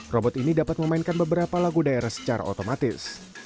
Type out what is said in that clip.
robot ini dapat memainkan beberapa lagu daerah secara otomatis